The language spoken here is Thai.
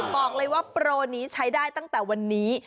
บอกเลยว่าโปรนี้ใช้ได้ตั้งแต่วันนี้